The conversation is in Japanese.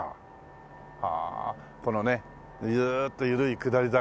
このねずっと緩い下り坂。